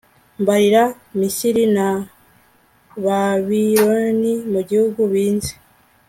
mbarira misiri na babiloni mu bihugu binzi